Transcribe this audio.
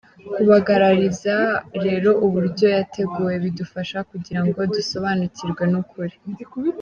Kubagararariza rero uburyo yateguwe bidufasha kugira ngo dusobanukirwe n’ukuri.